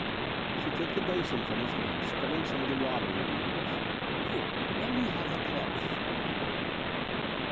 She took the basin from his hand, spilling some of the water in her eagerness. "Here, let me have that cloth," she demanded.